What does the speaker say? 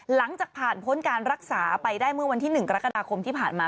หลังจากผ่านพ้นการรักษาไปได้เมื่อวันที่๑กรกฎาคมที่ผ่านมา